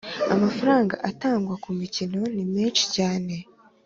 amafaranga atangwa ku mirimo ni meshi cyane